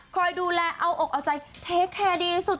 คอยดูแลเอาอกเอาใจเทคแคร์ดีสุด